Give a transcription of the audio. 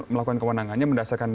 melakukan kewenangannya mendasarkan